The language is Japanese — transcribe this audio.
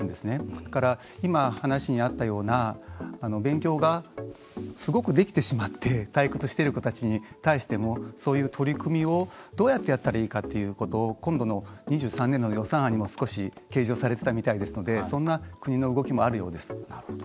だから今話にあったような勉強がすごくできてしまって退屈している子たちに対してもそういう取り組みをどうやってやったらいいかっていうことを今度の２３年度の予算案にも少し計上されてたみたいですのでそんな国の動きもあるようです。